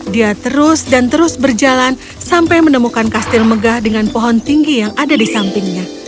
dia terus dan terus berjalan sampai menemukan kastil megah dengan pohon tinggi yang ada di sampingnya